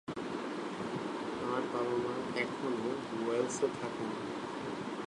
তাঁর বাবা-মা এখনো ওয়েলসে থাকেন।